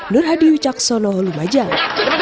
nur hadi ucaksono lumajang